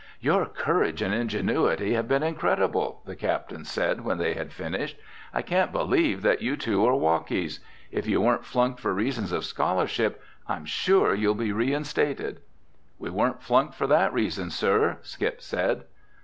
"Your courage and ingenuity have been incredible!" the captain said when they had finished. "I can't believe that you two are Wockies. If you weren't flunked for reasons of scholarship, I'm sure you'll be reinstated." "We weren't flunked for that reason, sir," Skip said.